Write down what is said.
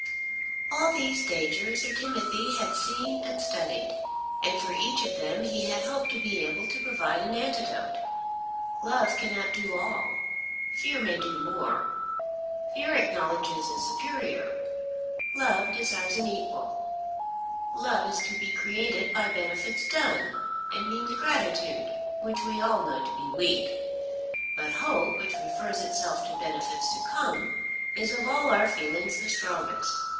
All these dangers Sir Timothy had seen and studied, and for each of them he had hoped to be able to provide an antidote. Love cannot do all. Fear may do more. Fear acknowledges a superior. Love desires an equal. Love is to be created by benefits done, and means gratitude, which we all know to be weak. But hope, which refers itself to benefits to come, is of all our feelings the strongest.